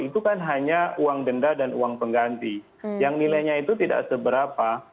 itu kan hanya uang denda dan uang pengganti yang nilainya itu tidak seberapa